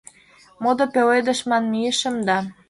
Модо пеледыш ман мийышым да